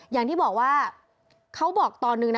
อย่างที่บอกว่าเขาบอกตอนนึงนะ